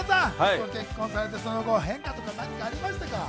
ご結婚されてその後変化とかありましたか？